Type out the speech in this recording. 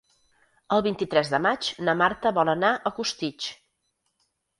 El vint-i-tres de maig na Marta vol anar a Costitx.